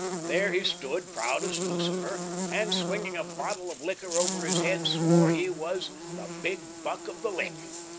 There he stood, proud as Lucifer, and swinging a bottle of liquor over his head swore he was ' the big buck of the lick.'